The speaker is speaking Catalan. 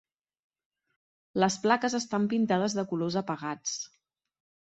Les plaques estan pintades de colors apagats.